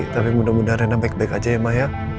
tapi mudah mudahan baik baik aja ya mbak ya